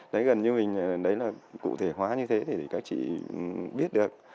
đấy gần như mình đấy là cụ thể hóa như thế thì các chị biết được